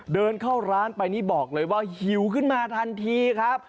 เดินเข้าร้านไปนี่บอกเลยว่าหิวขึ้นมาทันทีครับ